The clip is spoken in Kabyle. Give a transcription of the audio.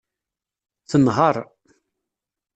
Tenheṛ.